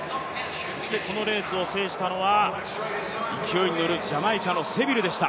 このレースを制したのは勢いに乗るジャマイカのセビルでした。